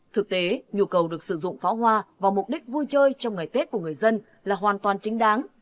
thực tế nhu cầu được sử dụng pháo hoa vào mục đích vui chơi trong ngày tết của người dân là hoàn toàn chính đáng